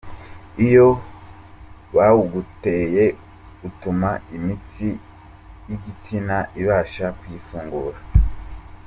Iyo bawuguteye , utuma imitsi y’igitsina ibasha kwifungura .